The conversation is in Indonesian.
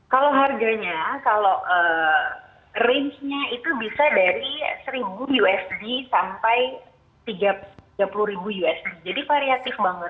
kalau harganya kalau range nya itu bisa dari seribu usd sampai tiga puluh ribu usd jadi variatif banget